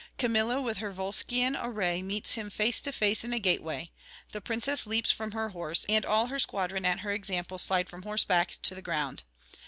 Camilla with her Volscian array meets him face to face in the gateway; the princess leaps from her horse, and all her squadron at her example slide from horseback to the ground.